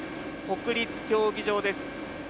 国立競技場です。